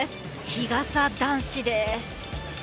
日傘男子です。